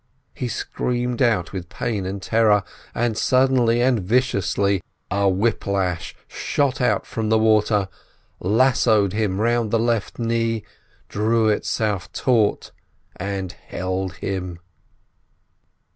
He screamed out with pain and terror, and suddenly and viciously a whip lash shot out from the water, lassoed him round the left knee, drew itself taut, and held him.